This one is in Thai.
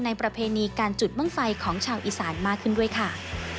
ประเพณีการจุดบ้างไฟของชาวอีสานมากขึ้นด้วยค่ะ